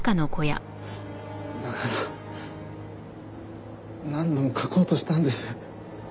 だから何度も書こうとしたんです。